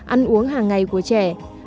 ăn uống hàng ngày của trẻ